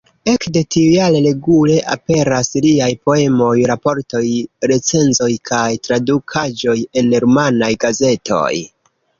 Ekde tiu jare regule aperas liaj poemoj, raportoj, recenzoj kaj tradukaĵoj en rumanaj gazetoj.